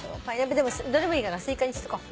どれでもいいから「スイカ」にしとこう。